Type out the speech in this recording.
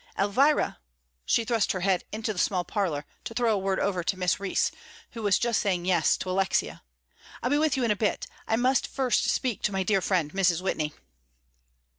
Elvira," she thrust her head into the small parlor to throw a word over to Miss Rhys, who was just saying "Yes" to Alexia, "I'll be with you in a bit; I must first speak to my dear friend, Mrs. Whitney."